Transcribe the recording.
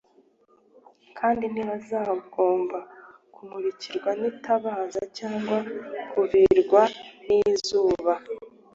kandi ntibazagomba kumurikirwa n’itabaza cyangwa kuvirwa n’izuba,